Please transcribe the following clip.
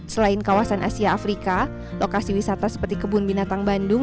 selain kawasan asia afrika lokasi wisata seperti kebun binatang bandung